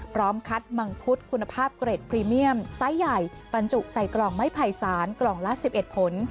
พร้อมคัดมังคุดคุณภาพเกรดพรีเมียมไซส์ใหญ่บรรจุใส่กล่องไม้ไผ่สารกล่องละ๑๑ผล